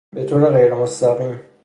بطور غیر مستقیم